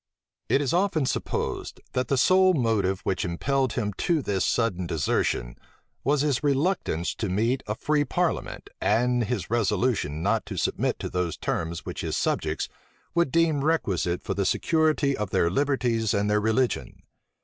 It is often supposed, that the sole motive which impelled him to this sudden desertion, was his reluctance to meet a free parliament and his resolution not to submit to those terms which his subjects would deem requisite for the security of their liberties and their religion.